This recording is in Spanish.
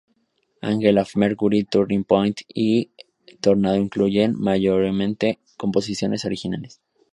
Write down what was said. Angel of Mercy, Turning Point y Tornado incluyen mayoritariamente composiciones originales.